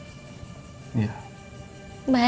aku sudah berusaha untuk mengambil alih